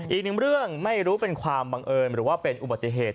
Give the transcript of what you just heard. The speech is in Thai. อีกหนึ่งเรื่องไม่รู้เป็นความบังเอิญหรือว่าเป็นอุบัติเหตุ